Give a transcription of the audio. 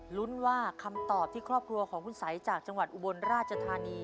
ลุ้นว่าคำตอบที่ครอบครัวของคุณสัยจากจังหวัดอุบลราชธานี